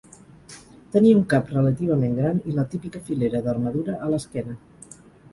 Tenia un cap relativament gran, i la típica filera d'armadura a l'esquena.